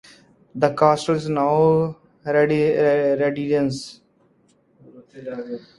The castle is now a residence.